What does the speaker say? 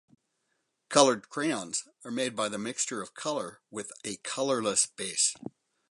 Coloured crayons are made by the mixture of colour with a colourless base.